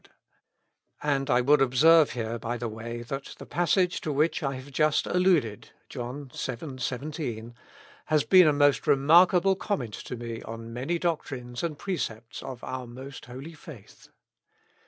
'— And I would observe here, by the way, that the passage to which I have just alluded (John vii. 17) has been a most remarkable comment to me on many doctrines and precepts of our most holy faith.